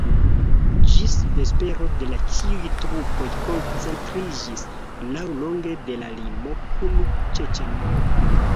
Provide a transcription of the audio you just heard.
Ĝis vespero de la ĉiuj trupoj koncentriĝis laŭlonge de la limo kun Ĉeĉenio.